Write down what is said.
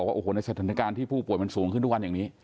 ว่าโอ้โหในสถานการณ์ที่ผู้ป่วยมันสูงขึ้นทุกวันอย่างนี้